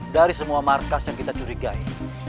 dari semua markas yang kita curigai